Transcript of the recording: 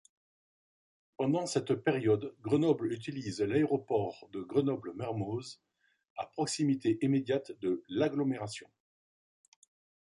Pendant cette période Grenoble utilise l'aéroport de Grenoble-Mermoz à proximité immédiate de l'agglomération.